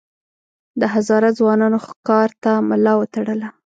د هزاره ځوانانو ښکار ته ملا وتړله.